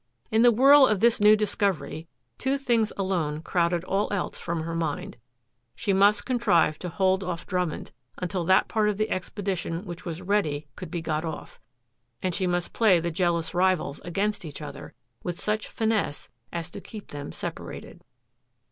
In the whirl of this new discovery, two things alone crowded all else from her mind. She must contrive to hold off Drummond until that part of the expedition which was ready could be got off. And she must play the jealous rivals against each other with such finesse as to keep them separated.